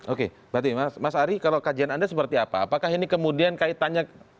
oke berarti mas ari kalau kajian anda seperti apa apakah ini kemudian kaitannya